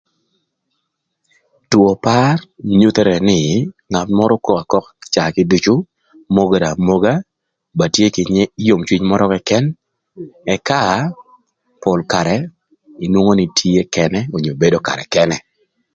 Two par nyuthere nï ngat mörö kok akoka caa kiducu, mogere amoga, ba tye kï ngec yom cwiny mörö këkën ëka pol karë inwongo nï tye kënë onyo bedo karë kënë.